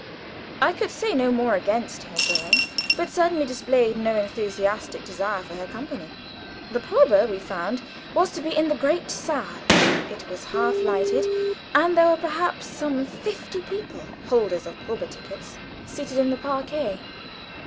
I could say no more against her going, but certainly displayed no enthusiastic desire for her company. The probe, we found, was to be in the great saal; it was half lighted, and there were perhaps some fifty people, holders of probe tickets, seated in the parquet.